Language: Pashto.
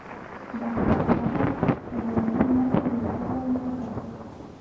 د اخبار خبر د هنري نثر یو ډول نه دی.